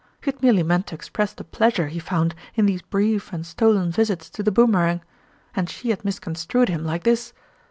He had merely meant to express the pleasure he found in these brief and stolen visits to the Boom erang and she had misconstrued him like this